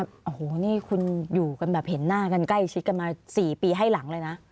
โอ้โหนี่คุณอยู่กันแบบเห็นหน้ากันใกล้ชิดกันมา๔ปีให้หลังเลยนะ